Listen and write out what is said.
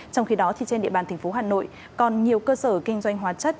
trong khi đó trên địa bàn tp hà nội còn nhiều cơ sở kinh doanh hóa chất